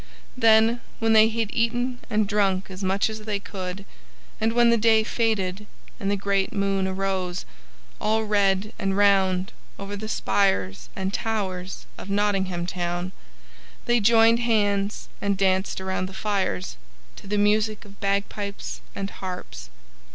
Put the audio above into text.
Then, when they had eaten and drunk as much as they could, and when the day faded and the great moon arose, all red and round, over the spires and towers of Nottingham Town, they joined hands and danced around the fires, to the music of bagpipes and harps.